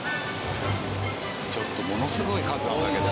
ちょっとものすごい数あるんだけど。